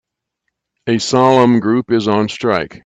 A solemn group is on strike.